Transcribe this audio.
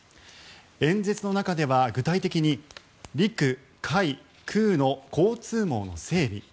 演説の中では具体的に陸海空の交通網の整備